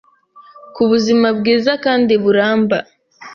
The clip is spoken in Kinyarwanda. ku buzima bwiza kandi buramba